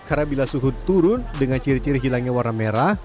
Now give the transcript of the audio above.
karena bila suhu turun dengan ciri ciri hilangnya warna merah